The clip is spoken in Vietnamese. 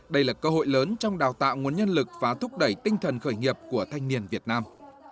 đây là cơ hội lớn trong đào tạo nguồn nhân lực và thúc đẩy tinh thần khởi nghiệp của thanh niên việt nam